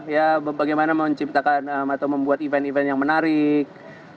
ya bagaimana menciptakan atau membuat event event yang menarik